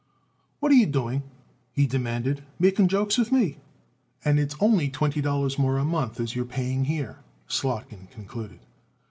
"What are you doing," he demanded, "making jokes with me?" "And it's only twenty dollars more a month as you're paying here," Slotkin concluded.